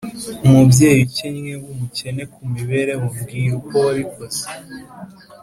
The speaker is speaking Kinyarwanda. umubyeyi ukennye wumukene kumibereho, mbwira uko wabikoze